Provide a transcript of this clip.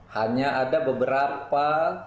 hanya ada beberapa